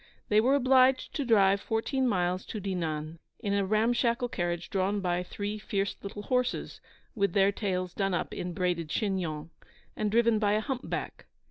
They were obliged to drive fourteen miles to Dinan in a ram shackle carriage drawn by three fierce little horses, with their tails done up in braided chignons, and driven by a humpback.